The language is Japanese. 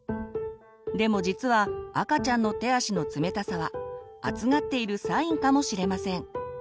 でも実は赤ちゃんの手足の冷たさは暑がっているサインかもしれません。